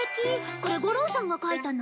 これ五郎さんが描いたの？